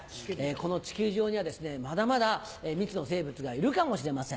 この地球上にはですねまだまだ未知の生物がいるかもしれません。